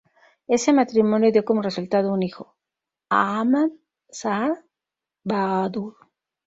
Ese matrimonio dio como resultado un hijo, Ahmad Shah Bahadur.